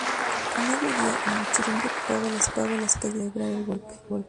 A mediodía la muchedumbre ocupaba las calles para celebrar el golpe.